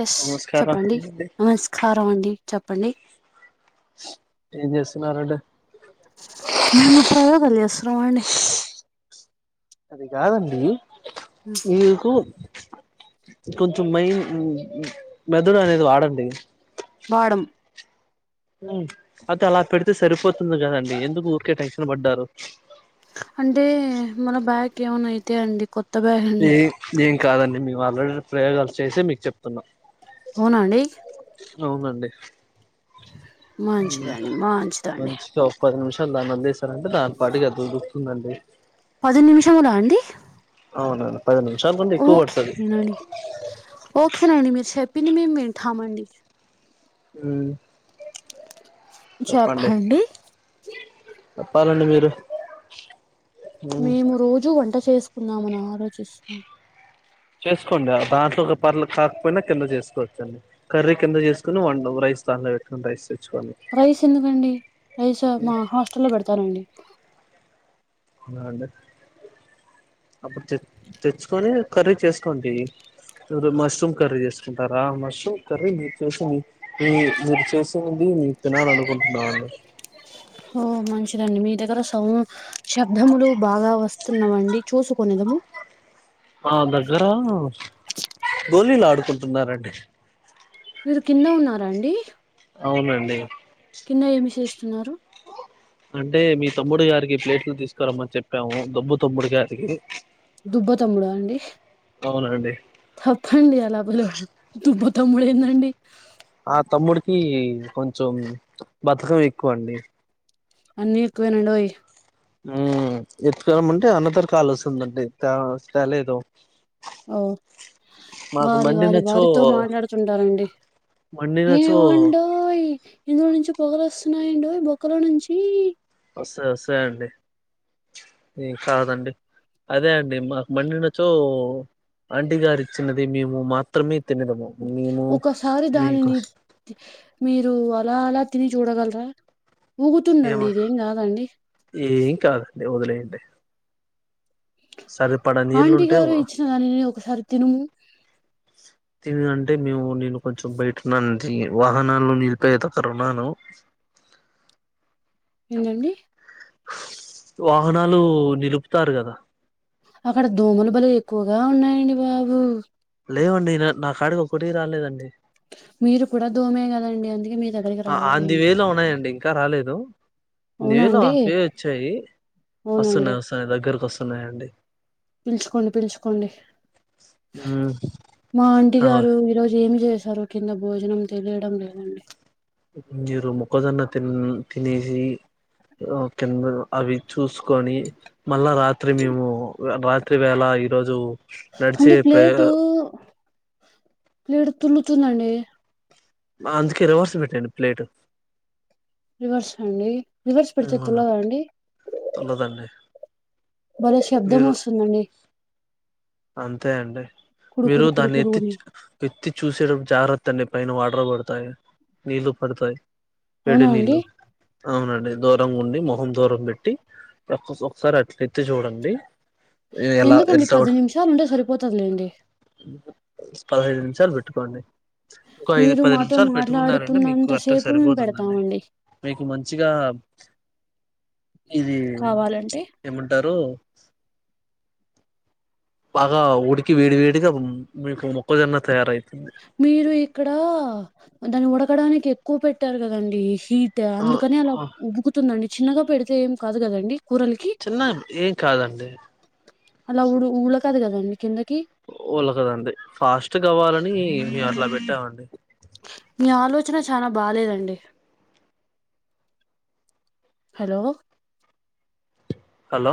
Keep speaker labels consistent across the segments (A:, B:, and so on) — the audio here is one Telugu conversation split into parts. A: ఎస్
B: నమస్కారం
A: చెప్పండి నమస్కారం అండి చెప్పండి
B: ఏం జేస్తున్నారండి
A: మేము ప్రయోగాల్ చేస్తున్నామండి
B: అది కాదండి ఈకు కొంచెం మెన్ మెదడు అనేది వాడండి
A: వాడం
B: ఉ అదలా పెడితే సరిపోతుంది కదండి ఎందుకు ఊరికే టెన్షన్ పడ్డారు
A: అంటే మన బ్యాక్ ఏమనాయితే అండి కొత్
B: ఏ ఏం కాదండి మేము ఆల్రెడీ ప్రయోగాలు చేసే మీక్ చెప్తున్నాం
A: అవున అండి
B: అవునండి ఊ
A: మంచిదండి మంచిదండి
B: మంచిగా పది నిమిషాలు దాన్నోదిలేసారంటే దాని పాటిగాది దుకుతుందండి
A: పది నిమిషములా అండి
B: అవునండి పదిమిషాల కన్నా ఎక్కువ పట్టదు
A: ఓకేనండి ఓకేనండి మీరు చెప్పింది మేం వింటామండి
B: ఊ
A: ఇ
B: చెప్పండి చెప్పాలండి మీరు
A: మేము రోజూ వంట చేస్కుందామని ఆలోచిస్
B: చేస్కోండి ఆ దాంట్లో ఒక పర్లు కాకపోయినా కింద చేసుకోవచ్చ అండి కర్రీ కింద చేస్కుని వండవు రైస్ తాన్లో పెట్ మనం రైస్ తెచ్చుకోవాలి
A: రైస్ ఎందుకండి రైస్ ఆ మా హాస్టల్ లో పెడతనండి
B: ఆ అండి అప్పుడు తె తెచ్చుకొని కర్రీ చేస్కోండి మీరు మష్రూమ్ కర్రీ చేసుకుంటారా మష్రూమ్ కర్రీ మీరు చేసింది మీ మీరు చేసింది నేను తినాలనుకుంట్ న్నాను
A: ఓ మంచిదండి మీ దగ్గర సౌ శబ్దములు బాగా వస్తున్నావండి చూసుకోనేదము
B: నా దగ్గర గోళీలాడుకుంటున్నారండి
A: మీరు కింద ఉన్నారా అండి
B: అవునండి
A: కింద ఏమి చేస్తున్నారు
B: అంటే మీ తమ్ముడు గారికి ప్లేట్లు తీసుకురమ్మని చెప్పాము దబ్బు తమ్ముడు గారికి
A: దుబ్బ తమ్ముడాఅండి
B: అవునండి
A: తప్పండి అలా పిలవడం దుబ్బ తమ్ముడేందండి
B: ఆ తమ్ముడికి కొంచెం బతకడం ఎక్కువండి
A: అన్నీ ఎక్కువేనండోయ్
B: ఊ ఇద్దరం ఉంటే అన్నదర కాల్సుందండి ఇట్ట తెలేదు
A: ఓ వారి వారి
B: మండినచో
A: వారితో మాట్లాడుతుంటారండి
B: మండినచో
A: ఏవండు ఓయ్ ఇందులో నుంచి పొగలు వస్తున్నాయండోయ్ బొక్కలో నుంచి
B: వస్తాయి వస్తాయి అండి కాదండి అదే అండి మాకు మండినచో ఆంటీ గారి ఇచ్చినది మేము మా మాత్రమే తినదము మేము
A: ఒకసారి
B: మీకు
A: దానిని మీరు అలా అలా తిని చూడగలరా
B: ఏమ
A: ఊగుతుందండి ఇదేం కాదండి
B: ఏం కాదండి వదిలేయండి సరిపడా
A: ఆంటీ
B: నీళ్లుంటే
A: గారు ఇచ్చిన దాని ఒకసారి తినుము
B: ఏదైనా అంటే మేము నేను కొంచెం బయట న వాహనాల్లో నిలిపోయే దగ్ర ఉన్నాను
A: ఏందండి
B: వాహనాలు నిలుపుతారు కదా
A: అక్కడ దోమలు బలు ఎక్కువగా ఉన్నాయండి బాబు
B: లేవండి నా నా కాడికి ఒకటి రాలేదండి
A: మీరు కూడా దోమే కదండి అందుకే మీ దగ్
B: ఆ అంది వేలో ఉన్నాయండి ఇంకా రాలేదు
A: అవునా
B: నియర్లీ
A: అండి
B: హాఫ్ వే వచ్చాయి
A: అవునండి
B: వస్తున్నాయి వస్తున్నాయి దగ్గరకు వస్తున్నాయండి
A: పిలుచుకోండి పిలుచుకోండి
B: మ్మ్
A: మా ఆంటి
B: ఆ
A: గారు ఈరోజు ఏమి చేశారు కింద భోజనం తెలియడం లేదండి
B: మీరు మొక్కజొన్న తిన్ తినేసి ఓ కింద అవి చూసుకొని మళ్ళా రాత్రి మేము రాత్రి వేళ ఈరోజు నడిచే
A: అంటే
B: ప్ర
A: ప్లేటు ప్లేట్ తులుతుందండి
B: అందుకే రివర్స్ పెట్టండి ప్లేట్
A: రివర్స్ అండి రివర్స్ పెడితే తులగా అండి
B: తెలువదండి
A: మరో శబ్దం వస్తుందండి
B: అంతే అండి
A: కుడు
B: మీరు
A: కుడు కుడు
B: దాన్ని
A: కుడు
B: ఎత్తిచ్
A: అని
B: పెత్తి చూసేట జాగ్రత్త అండి పైన వాటర్ పడతాయి నీళ్లు పడతాయి వేడి
A: అవునా
B: నీళ్లు
A: అండి
B: అవునండి దూరంగా ఉండి మొహం దూరం పెట్టి ఒక్క ఒకసారి అట్ల ఎత్తి చూడండి ఎలా
A: ఎందుకండి
B: ఎట్లా
A: పది నిమిషాలు ఉండే సరిపోతదిలేండి
B: పదహైదు నిమిషాలు పెట్టుకోండి ఇంకో ఐదు
A: మీరు
B: పది
A: మాతో
B: నిమిషాలు పెట్టుకున్నారంటే మీకు
A: మాట్లాడుతున్నంత
B: అట్ట
A: సేపు మేము
B: సరిపోతుందండి
A: పెడతామండి
B: మీకు మంచిగా ఉమ్
A: కావాలంటే
B: ఏమంటారు బాగా ఉడికి వేడి వేడిగా మీకు మొక్కజొన్న తయారైతుంది
A: మీరు ఇక్కడ దాన్ని ఉడకడానికి ఎక్కువ పెట్టారు కదండి హీ ట్
B: ఆ
A: అందుకని అలా
B: ఆ
A: ఉబుకుతుందండి చిన్నగా పెడితే ఏం కాదు కదండి కూరలు
B: తిన్నాను ఏం కాదండి
A: అలా ఊ ఊలకదు కదండి కిందకి
B: ఉలకదండి ఫాస్ట్ కావాలని అట్లా పెట్టామండి
A: మీ ఆలోచన చాలా బాలేేదండి హలో
B: హలో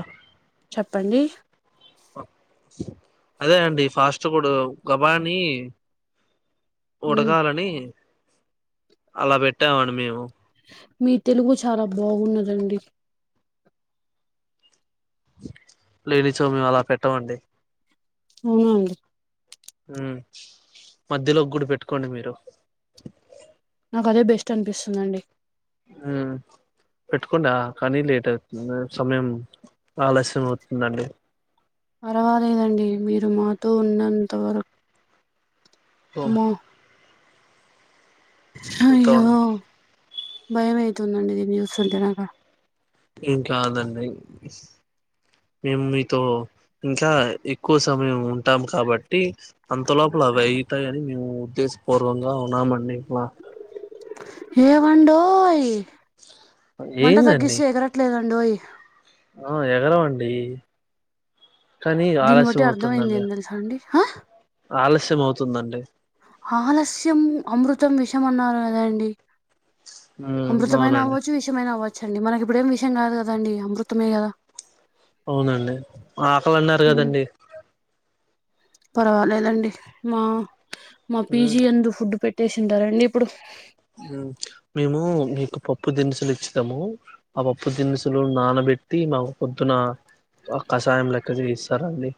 A: చెప్పండి
B: అదే అండి ఫాస్ట్ ఫుడ్ గబానీ
A: హ్మ్.
B: ఉడకాలని అలా పెట్టాం అని మేము
A: మీ తెలుగు చాలా బాగున్నదండి
B: లేనిచో మేము అలా పెట్టమండి
A: అవునండి
B: మ్మ్ మధ్యలో గుడి పెట్టుకోండి మీరు
A: నాకు అదే బెస్ట్ అనిపిస్తుందండి
B: మ్మ్ పెట్టుకోండా కానీ లేట్ అవుతుంది సమయం ఆలస్యం అవుతుందండి
A: పర్వాలేదండి మీరు మాతో ఉన్నంత వర
B: ఓ
A: మ్మో
B: ఒక్
A: అయ్యో భయం అయితుందండి దీని చూస్తుంటే నాకు
B: ఎంకాదండి మేము మీతో ఇంకా ఎక్కువ సమయం ఉన్ ఉంటాం కాబట్టి అంతలోపుల అది అయి ఉంటాయి గాని మేము ఉద్దేశపూర్వంగా ఉన్నామండి ఇట్లా
A: ఏవండోయ్ మంట
B: ఏందండి
A: తగ్గిస్తే ఎగరట్లేదన్డోయ్
B: ఆ ఎగరవండి కానీ
A: దీన్ని బట్టి
B: ఆలస్యం
A: అర్థమైంది
B: అవుతుందండి
A: ఏం తెలుసా అండి ఆ
B: ఆలస్యం అవుతుందండి
A: ఆలస్యం అమృతం విషమన్నారు కదా అండి
B: ఉమ్
A: అమృతమయినా
B: అవునండి
A: అవ్వచ్చు విష ఏమైనా అవ్వచ్చు అండి మనకి ఇప్పుడేం విషం కాదు కద అండి అమృతమే కదా
B: అవునండి ఆకలి అన్నారు
A: హ్మ్.
B: కదండి
A: పర్వాలేదండి మా మా
B: ఉమ్
A: పీజీ యందు ఫుడ్ పె ట్టేసింటారండి ఇప్పుడు
B: మ్మ్ మేము మీకు పప్పు దినుసులు ఇచ్చినాము ఆ పప్పు దినుసులు నానబెట్టి మా పొద్దున ఆ కషాయం లెక్క చేయిస్తారండి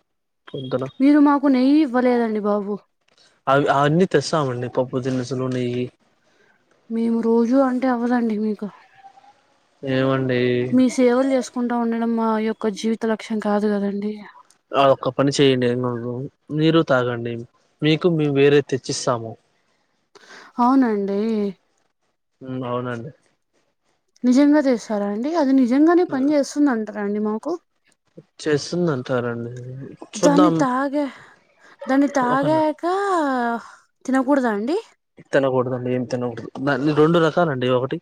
B: పొద్దున
A: మీరు మాకు నెయ్యి ఇవ్వలేదండి బాబు
B: అవి అన్నీ తెస్తామండి పప్పు దినుసులు నెయ్యి
A: మేము రోజు అంటే అవ్వదండి మీకు
B: ఏమండి
A: మీ సేవలు చేసుకుంటూ ఉండడం మా యొక్క జీవిత లక్ష్యం కాదు కదండి
B: ఆ ఒక్క పని చేయండి ను ను మీరు తాగండి మీకు మేము వేరేది తెచ్చిస్తాం
A: అవునండి
B: మ్మ్ అవునండి
A: నిజంగా తెస్తారా అండి అది నిజంగానే పని చేస్తుంది అంటారా అండి మాకు
B: చేస్తుంది అంటారండి
A: దాన్ని తాగ దాన్ని
B: ఒకనా
A: తాగాక తినకూడదా అండి
B: తినకూడదు అండి ఏమి తినకూడదు దాన్ని రెండు రకాలండి ఒకటి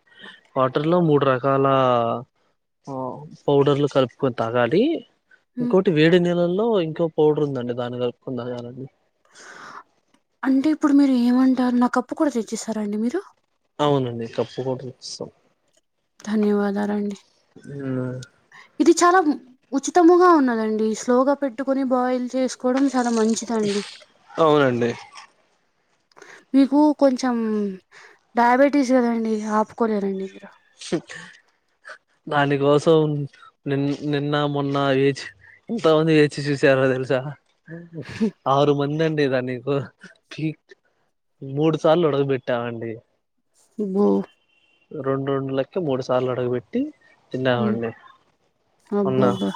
B: వాటర్ లో మూడు రకాల ఆ పౌడర్లు కలుపుకొని తాగాలి
A: మ్
B: ఇంకోటి వేడి నీళల్లో ఇంకో పౌడర్ ఉందండి దాన్ని కలుపుకొని తాగాలి
A: అంటే ఇప్పుడు మీరు ఏమంటారు నా కప్పు కూడా తెచ్చిస్తారా అండి మీరు
B: అవునండి కప్పు కూడా తెచ్చి ఇస్తాం
A: ధన్యవాదాలండి
B: మ్
A: ఇది చాలా ఉచితముగా ఉన్నదండి స్లోగా పెట్టుకుని బాయిల్ చేసుకోవడం చాలా మంచి దండి
B: అవునండి
A: మీకు కొంచెం డయాబెటీస్ కదండి ఆపుకోలేరండి
B: దానికోసం నిన్ నిన్న మొన్న వేచి ఎంతమంది వేచి చూసారు తెల్సా ఆరు మందండి ఇదా నీకు మూడు సార్లు ఉడగబెట్టావండి
A: అబో
B: రెండు రెండు లక్క మూడు సార్లు అడగ
A: హ్మ్.
B: తిన్నావండి ఉన్నా
A: అబ్బబ్బా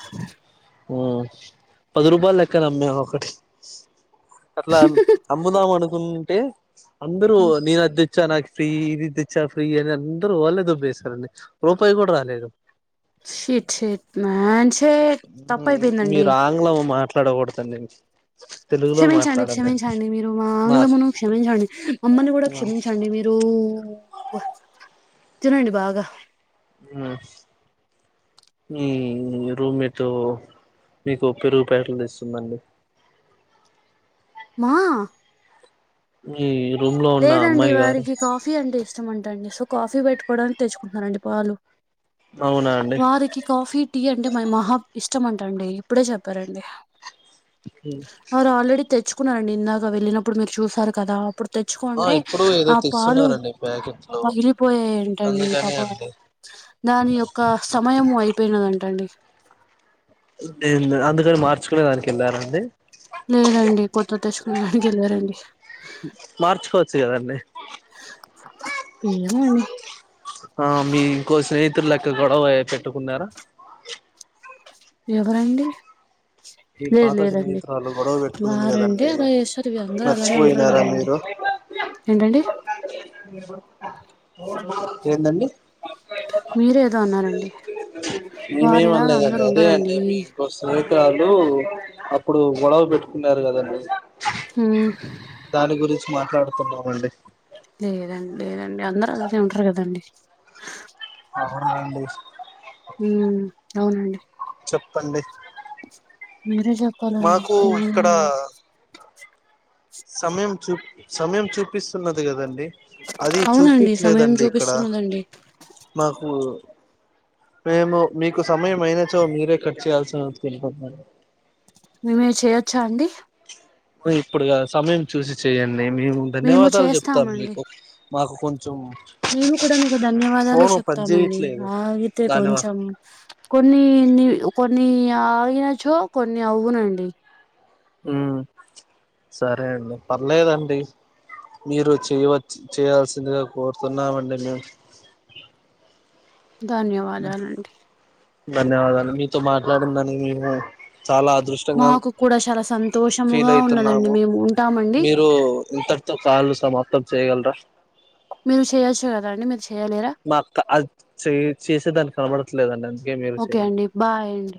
B: పది రూపాయలు లెక్కనమ్మే ఒకటి అట్లా అమ్ముదాం అనుకుంటే అందరూ నేను అది తెచ్చా నాకు ఫ్రీ ఇది తెచ్చా ఫ్రీ అని అందరు వాళ్లేే దొబ్బే సారు అండి రూపాయి కూడా రాలేదు
A: షిట్ షిట్ మ్యాన్ షిట్ తప్పయిపోయిందండి
B: మీరు ఆంగ్లం మాట్లా డ కూడదు అండి
A: క్షమించండి క్షమించండి మీరు మా ఆంగ్లమును క్షమించండి మమ్మల్ని కూడా క్షమిం చండి మీరు తినండి బాగా
B: ఉ మీ రూమ్ మీట్ మీకు పెరుగు ప్యాకెట్లు తెస్తుందండి
A: మా
B: మీ రూమ్ లో ఉన్న
A: లేదండి
B: అమ్మాయి గారు
A: వారికి కాఫీ అంటే ఇష్టం అంట అండి సో కాఫీ పెట్టుకోవడానికి తెచ్చుకుంటున్నారండి పాలు
B: అవునా అండి
A: వారికి కాఫీ టీ అంటే మరి మహా ఇష్టం అంటండి ఇప్పుడే చెప్పారండి వారు ఆల్రెడీ తెచ్చుకున్నారండి ఇందాక వెళ్ళినప్పుడు మీరు చూసారు కదా అప్పుడు
B: ఆ
A: తెచ్చుకుంటే
B: ఇప్పుడు ఏదో
A: ఆ పాలు
B: తెస్తున్నారండి ప్యాకెట్ లో
A: పగిలిపోయాయి అంటండి
B: అందుకని
A: పాపం
B: అండి
A: దాని యొక్క సమయము అయిపోయినదంటండి
B: అందుకని మార్చుకునే దానికి వెళ్ళారండి
A: లేదండి కొత్తది తెచ్చుకోవడానికి వెళ్ళారండి
B: మార్చుకోవచ్చు కదండి
A: ఏమో అండి
B: ఆ మీ ఇంకో స్నేహితులు లెక్క గొడవ పెట్టుకున్నారు
A: ఎవరండి
B: ఈ
A: లేదు
B: పాత
A: లేదండి
B: స్నేహితురాలు గొడవ పెట్టుకునింది
A: వారంటే
B: కదండి
A: అలా చేస్తారు ఇగ అందరూ అలానే ఉండరు
B: మర్చిపోయినారా
A: కదండీ
B: మీరు
A: ఏంటండి
B: ఏందండి
A: మీరేదో అన్నారండి వారు
B: మేమేమి
A: ఇలాగ
B: అనలేదండి
A: అందరు
B: అదే అండి
A: ఉండరండి
B: మీ ఇంకో స్నేహితురాలు అప్పుడు గొడవలు పెట్టుకున్నారు కదండి
A: హ
B: దాని గురించి మాట్లాడుతున్నామండి
A: లేదండి లేదండి అందరు అలానే ఉండరు కదండీ
B: అవునా అండి
A: ఉం అవునండి
B: చెప్పండి
A: మీరే చెప్పాలండి
B: మాకు ఇక్కడ
A: ఉమ్,
B: సమయం చూ సమయం చూపిస్తున్నది కదండి అది
A: అవునండి సమయం
B: చూపయట్లేదండి ఇక్కడ
A: చూపిస్తున్నదండి
B: నాకు మేము మీకు సమయం అయిన చో మీరే కట్ చేయయాల్సికుంటున్నాము
A: మేమే చేయొచ్చా అండి
B: ఇప్పుడుగాదు సమయం చూసి చెయండి మేము ధన్యవాదాలు చెప్తాం మీకు మాకు కొంచెం
A: మేము కూడా మీకు ధన్యవాదాలు
B: ఫోను పని
A: చెప్తామండి
B: చేయట్లేదు
A: ఆగితే
B: దానివ
A: కొంచెం కొన్నిన్ని కొన్ని ఆగినచో కొన్ని అవునండి
B: ఉం సరే అండి పర్లేదండి మీరు చేయవచ్చ చేయాల్సిందిగా కోరుతున్నామండి మేము
A: ధన్యవాదాలండి
B: ధన్యవాదాలు మీతో మాట్లాడినీ దానికి మేము చాలా అదృష్టం
A: మాకు కూడా చాలా
B: ఫీల్
A: సంతోషముగా ఉన్నదండి
B: అయితున్నాము
A: మేము ఉంటామండి
B: మీరు ఇంత కాల్ సమాప్తం చేయగలరా
A: మీరు చేయొచ్చు కదా అండి మీరు చేయ్యలేరా
B: మా అక్క అది చే చేసేదాన్ని కనపడట్లేదండి అందుకే మీరు
A: ఓకే
B: చెయండి
A: అండి బాయ్ అండి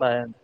B: బాయండి